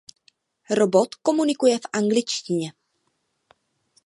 Robot komunikuje v angličtině.